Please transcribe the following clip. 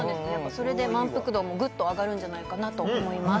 それで満腹度もぐっと上がるんじゃないかなと思います